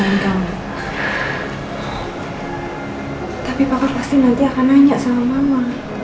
dan itu merobek hati mama